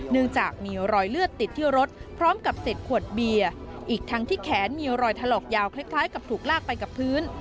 จากมีรอยเลือดติดที่รถพร้อมกับเศษขวดเบียร์อีกทั้งที่แขนมีรอยถลอกยาวคล้ายกับถูกลากไปกับพื้น